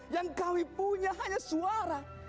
yang kami punya hanya suara